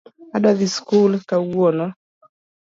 Adwa dhii sikul kawuono